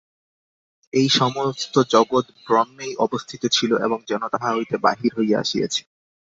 এই সমগ্র জগৎ ব্রহ্মেই অবস্থিত ছিল, এবং যেন তাঁহা হইতে বাহির হইয়া আসিয়াছে।